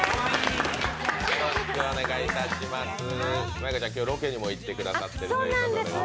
舞香ちゃん、今日はロケにも行ってもらったということで？